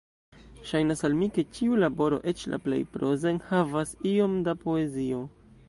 Ŝajnas al mi, ke ĉiu laboro, eĉ la plej proza, enhavas iom da poezio.